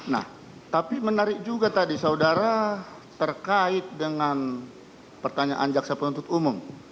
nah tapi menarik juga tadi saudara terkait dengan pertanyaan jaksa penuntut umum